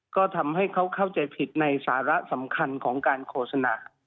ก็ทำให้เขาเข้าใจผิดในสาระสำคัญของการโฆษณา